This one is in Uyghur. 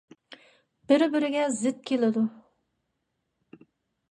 بىر - بىرىگە زىت كېلىدۇ.